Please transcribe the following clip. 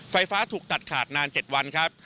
ไฟฟ้าถูกตัดขาดนาน๗วันครับ